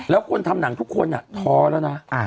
แล้วคนทำหนังทุกคนท้อแล้วนะ